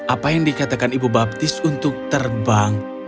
apa yang dikatakan ibu baptis untuk terbang